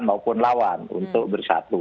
maupun lawan untuk bersatu